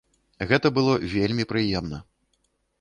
Гэта было вельмі прыемна!